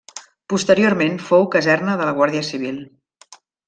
Posteriorment fou caserna de la guàrdia civil.